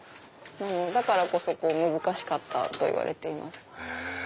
だからこそ難しかったと言われています。